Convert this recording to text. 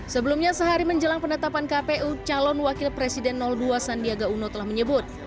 sebelumnya sehari menjelang penetapan kpu calon wakil presiden dua sandiaga uno telah menyebut